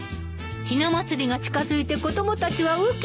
ひな祭りが近づいて子供たちはウキウキ。